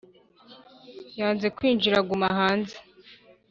yanze kwinjira aguma hanze